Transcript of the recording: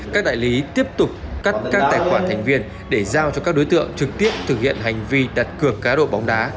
các đại lý tiếp tục cắt các tài khoản thành viên để giao cho các đối tượng trực tiếp thực hiện hành vi đặt cược cá độ bóng đá